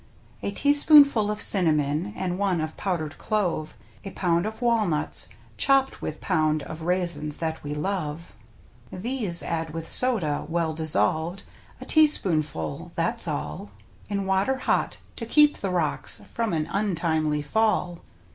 A teaspoonful of cinnamon. And one of powdered clove, A pound of walnuts chopped with pound Of raisins that we love. These add with soda — well dissolved (A teaspoonful — that's all!) 4/ Mt^stntXt Mtttii^i^ V^ In water hot, to keep the " rocks " From an untimely fall.